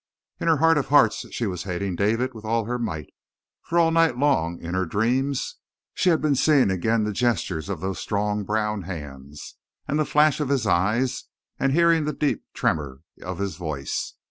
In her heart of hearts she was hating David with all her might. For all night long, in her dreams, she had been seeing again the gestures of those strong brown hands, and the flash of his eyes, and hearing the deep tremor of his voice.